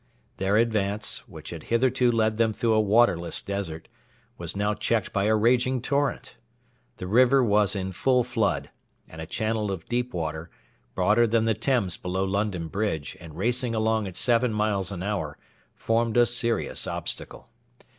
Their advance, which had hitherto led them through a waterless desert, was now checked by a raging torrent. The river was in full flood, and a channel of deep water, broader than the Thames below London Bridge and racing along at seven miles an hour, formed a serious obstacle.